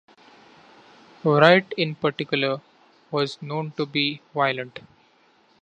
Wright, in particular, was known to be violent.